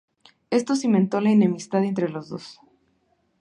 Esto cimentó la enemistad entre los dos.